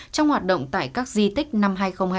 trong hoạt động tại các di tích năm hai nghìn hai mươi